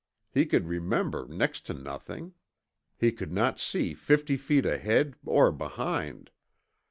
He could remember next to nothing. He could not see fifty feet ahead or behind.